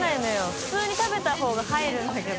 普通に食べた方が入るんだけど。